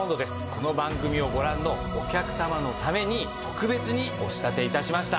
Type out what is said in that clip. この番組をご覧のお客様のために特別にお仕立て致しました。